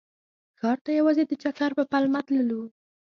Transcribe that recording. ښار ته یوازې د چکر په پلمه تللو.